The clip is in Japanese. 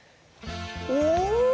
お！